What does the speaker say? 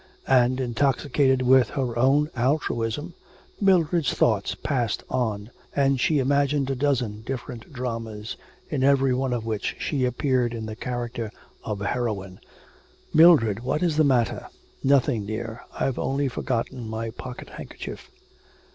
And intoxicated with her own altruism, Mildred's thoughts passed on and she imagined a dozen different dramas, in every one of which she appeared in the character of a heroine. 'Mildred, what is the matter?' 'Nothing, dear, I've only forgotten my pocket handkerchief.'